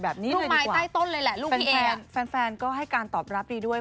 แบบนี้หน่อยดีกว่าแฟนก็ให้การตอบรับดีด้วย